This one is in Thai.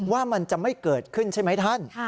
ว่ามันจะไม่เกิดขึ้นใช่ไหมท่าน